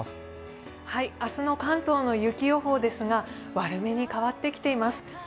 明日の関東の雪予報ですが、悪めに変わってきています。